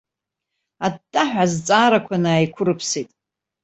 Аттаҳәа азҵаарақәа наиқәрыԥсеит.